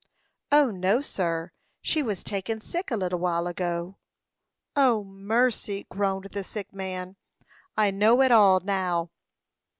"O, no, sir! She was taken sick a little while ago." "O, mercy!" groaned the sick man. "I know it all now."